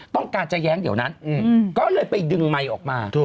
ต้องการจะแย้งเดี๋ยวนั้นก็เลยไปดึงไมค์ออกมา